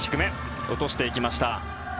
落としていきました。